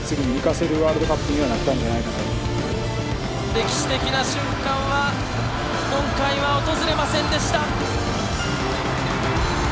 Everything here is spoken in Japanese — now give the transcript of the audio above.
歴史的な瞬間は今回は訪れませんでした。